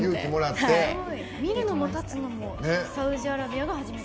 見るのも、立つのもサウジアラビアが初めて。